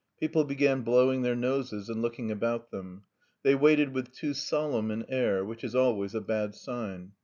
People began blowing their noses and looking about them. They waited with too solemn an air which is always a bad sign.